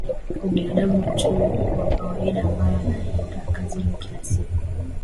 kwa binadamu tu wa kawaida ambaye anaenda kazini kila siku